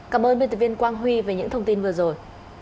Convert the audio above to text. cảm ơn biên tập viên quang huy về những thông tin vừa rồi